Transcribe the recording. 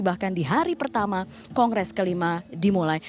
bahkan di hari pertama kongres kelima dimulai